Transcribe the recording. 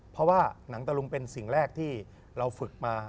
เพราะว่าหนังตะลุงเป็นสิ่งแรกที่เราฝึกมา